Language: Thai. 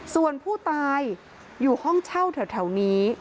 ส่วนผู้ตายอยู่ห้องเช่าแถวนี้